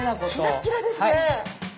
キラキラですね！